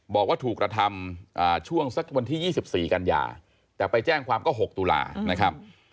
บอกว่าถูกกระทำช่วงสักวันที่๒๔กันยาแต่ไปแจ้งความก็๖ตุลานะครับ